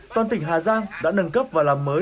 toàn tỉnh hà giang đã nâng cấp và làm mới